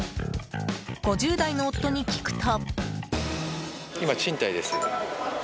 ５０代の夫に聞くと。